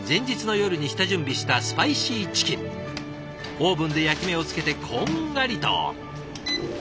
オーブンで焼き目をつけてこんがりと。